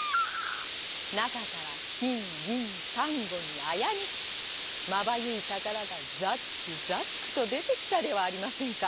なかからきんぎんさんごにあやにしきまばゆいたからがざっくざっくとでてきたではありませんか。